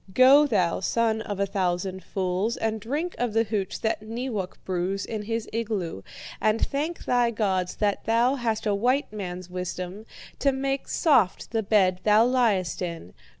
Go, thou son of a thousand fools, and drink of the hooch that Neewak brews in his igloo, and thank thy gods that thou hast a white man's wisdom to make soft the bed thou liest in.